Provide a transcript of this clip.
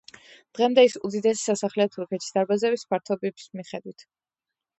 დღემდე ის უდიდესი სასახლეა თურქეთში დარბაზების ფართობის მიხედვით.